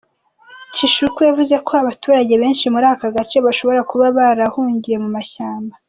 Tshishiku yavuze ko abaturage benshi muri aka gace bashobora kuba barahungiye mu mashyamba.